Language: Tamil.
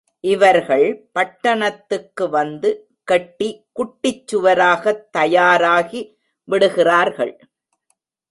இவர்கள் பட்டணத்துக்கு வந்து கெட்டி குட்டிச் சுவராகத் தயாராகி விடுகிறார்கள்.